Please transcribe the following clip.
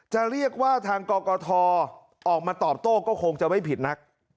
จะเรียกว่าทางกกทออกมาตอบโต้ก็คงจะไม่ผิดนัก